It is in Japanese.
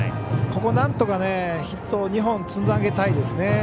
ここ、なんとかヒット２本つなげたいですね。